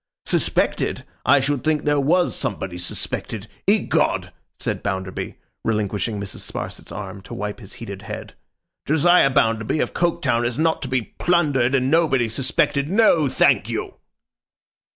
'Suspected? I should think there was somebody suspected. Egod!' said Bounderby, relinquishing Mrs. Sparsit's arm to wipe his heated head. 'Josiah Bounderby of Coketown is not to be plundered and nobody suspected. No, thank you!